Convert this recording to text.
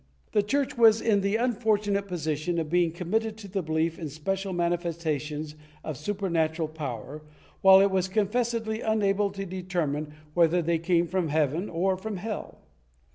The Church was in the unfortunate posi tion of being committed to the belief in special manifestations of supernatural power, while it was confessedly unable to determine whether they came from heaven or from hell.